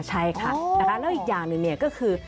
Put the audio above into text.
ใช่ค่ะแต่แล้วอีกอย่างหนึ่งก็คือ